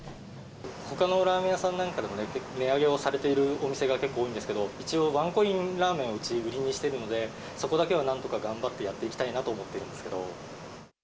ほかのラーメン屋さんなんかでも、値上げをされているお店が結構多いんですけど、一応、ワンコインラーメンをうち、売りにしているので、そこだけはなんとか頑張ってやっていきたいなと思ってるんですけど。